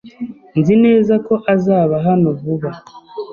Nzi neza ko azaba hano vuba.